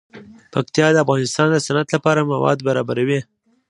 پکتیا د افغانستان د صنعت لپاره مواد برابروي.